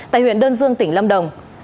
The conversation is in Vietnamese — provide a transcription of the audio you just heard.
tại huyện đơn dương tỉnh lâm đồng